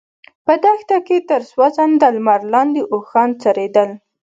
په دښته کې تر سوځنده لمر لاندې اوښان څرېدل.